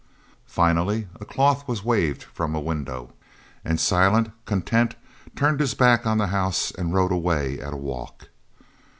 Finally a cloth was waved from a window, and Silent, content, turned his back on the house, and rode away at a walk.